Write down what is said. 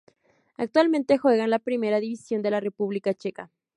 Actualmente juega en la Primera División de la República Checa.